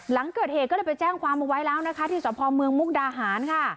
หลังเกิดเหตุก็เลยไปแจ้งความเอาไว้แล้วนะคะที่สพเมืองมุกดาหารค่ะ